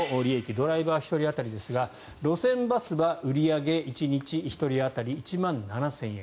ドライバー１人当たりですが路線バスは売り上げ１日１人当たり１万７０００円